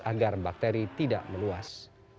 agar bakteri tidak meluas